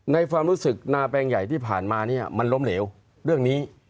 ความรู้สึกนาแปลงใหญ่ที่ผ่านมาเนี่ยมันล้มเหลวเรื่องนี้